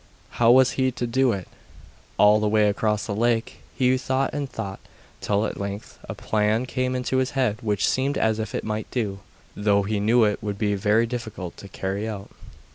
How was he to do it? All the way across the lake he thought and thought, till at length a plan came into his head which seemed as if it might do, though he knew it would be very difficult to carry out.